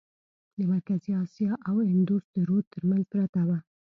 د مرکزي آسیا او اندوس د رود ترمنځ پرته وه.